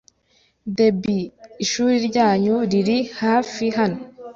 Debbie, ishuri ryanyu riri hafi hano?